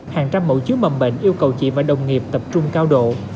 hàng trăm mẫu chứa mầm bệnh yêu cầu chị và đồng nghiệp tập trung cao độ